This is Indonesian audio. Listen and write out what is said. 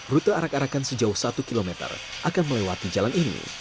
rute arak arakan sejauh satu km akan melewati jalan ini